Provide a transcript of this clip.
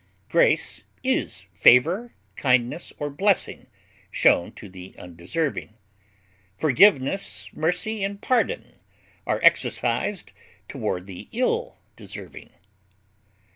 Grace is favor, kindness, or blessing shown to the undeserving; forgiveness, mercy, and pardon are exercised toward the ill deserving.